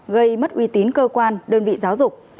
gây mất uy tín cơ quan đơn vị giáo dục